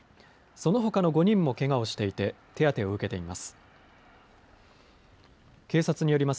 そのほかの５人もけがをしていて手当てを受けています。